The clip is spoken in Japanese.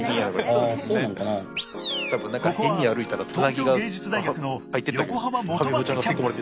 ここは東京藝術大学の横浜元町キャンパス。